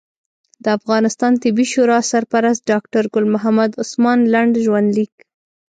د افغانستان طبي شورا سرپرست ډاکټر ګل محمد عثمان لنډ ژوند لیک